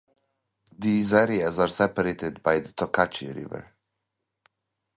These areas are separated by the Tokachi River.